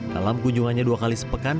dalam kunjungannya dua kali sepekan